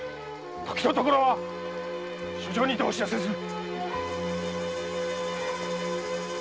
時と所は書状にてお知らせする！